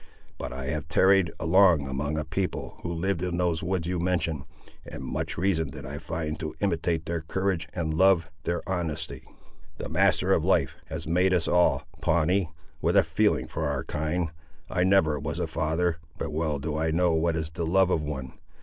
But I have tarried long among a people, who lived in those woods you mention, and much reason did I find to imitate their courage and love their honesty. The Master of Life has made us all, Pawnee, with a feeling for our kind. I never was a father, but well do I know what is the love of one.